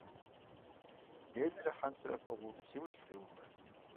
Белырэ хьэнцэрэ фӀыгъыу си ужь фыкъиувэ.